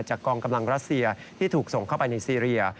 กองกำลังรัสเซียที่ถูกส่งเข้าไปในซีเรีย